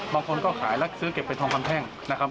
บางคนก็ขายแล้วซื้อเก็บเป็นทองคำแท่งนะครับ